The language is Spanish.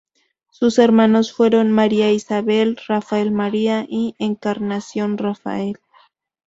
Sus hermanos fueron María Isabel, Rafael María y Encarnación Rafael.